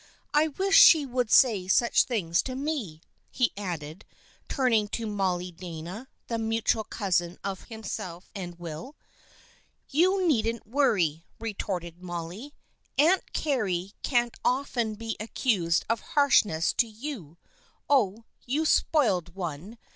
I wish she would say such things to me !" he added, turning to Mollie Dana, the mutual cousin of himself and Will. " You needn't worry," retorted Mollie. " Aunt Carry can't often be accused of harshness to you, oh, you spoiled one